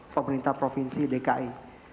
pemerintah provinsi dki